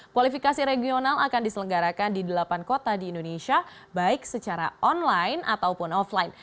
kualifikasi regional akan diselenggarakan di delapan kota di indonesia baik secara online ataupun offline